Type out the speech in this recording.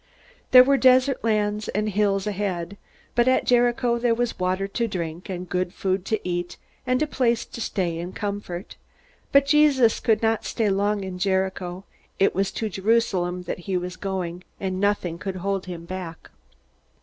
There were desert lands and hills ahead, but at Jericho there was water to drink, and good food to eat, and a place to stay in comfort. But Jesus could not stay long in Jericho. It was to Jerusalem that he was going, and nothing could hold him back.